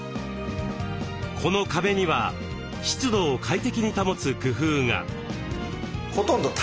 この壁には湿度を快適に保つ工夫が。